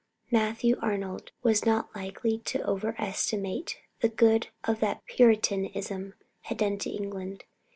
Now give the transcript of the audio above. Matthew Arnold was not likely to over estimate the good that Puritanism had done to England.